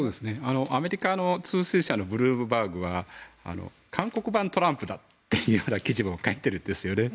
アメリカのブルームバーグは韓国版トランプだという記事を書いているんですね。